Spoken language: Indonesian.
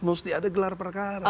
mesti ada gelar perkara